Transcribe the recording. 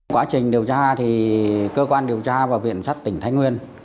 quá trình điều tra thì cơ quan điều tra và viện sát tỉnh thanh nguyên